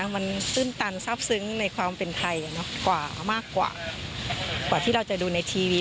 มันซื่นตันทราบซึ้งในความเป็นไทยมากกว่าที่เราจะดูในทีวี